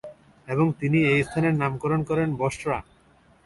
এবং তিনি এই স্থানের নামকরণ করেন বসরা।